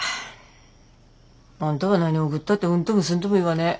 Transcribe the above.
あんたは何送ったってうんともすんとも言わね。